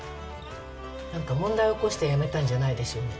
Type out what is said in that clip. なんか問題起こして辞めたんじゃないでしょうね？